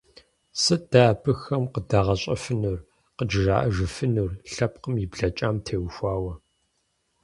Сыт дэ абыхэм къыдагъэщӀэфэнур, къыджаӀэжыфынур лъэпкъым и блэкӀам теухуауэ?